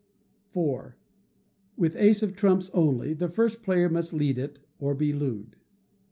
iv. With ace of trumps only, the first player must lead it, or be looed.